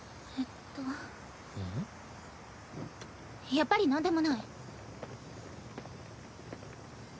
やっぱりなんでもない。